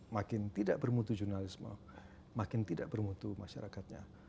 makin tidak bermutu jurnalisme makin tidak bermutu masyarakatnya